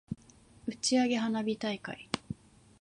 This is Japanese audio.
打ち上げ花火大会